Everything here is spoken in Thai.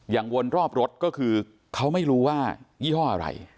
วนรอบรถก็คือเขาไม่รู้ว่ายี่ห้ออะไร